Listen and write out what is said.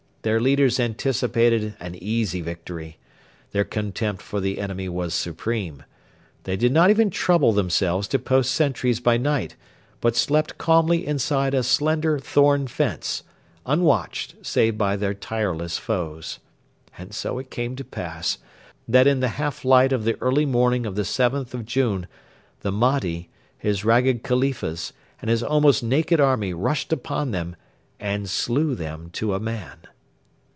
Their leaders anticipated an easy victory. Their contempt for the enemy was supreme. They did not even trouble themselves to post sentries by night, but slept calmly inside a slender thorn fence, unwatched save by their tireless foes. And so it came to pass that in the half light of the early morning of the 7th of June the Mahdi, his ragged Khalifas, and his almost naked army rushed upon them, and slew them to a man.